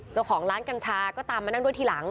เจ้าของร้านกัญชาก็ตามมานั่งด้วยทีหลัง